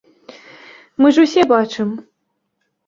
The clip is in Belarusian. Мы ж усе бачым.